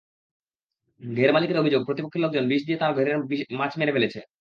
ঘেরমালিকের অভিযোগ, প্রতিপক্ষের লোকজন বিষ দিয়ে তাঁর ঘেরের মাছ মেরে ফেলেছে।